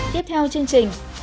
tiếp theo chương trình